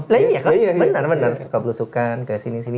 bener bener suka belusukan